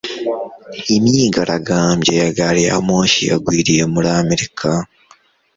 imyigaragambyo ya gari ya moshi yagwiriye muri amerika